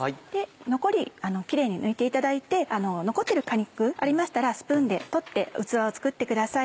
残りキレイに抜いていただいて残ってる果肉ありましたらスプーンで取って器を作ってください。